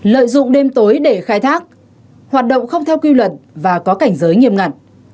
lợi dụng đêm tối để khai thác hoạt động không theo quy luật và có cảnh giới nghiêm ngặt